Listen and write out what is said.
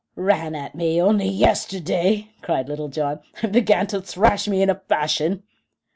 "Ran at me only yesterday," cried Little John "and began to thrash me in a passion."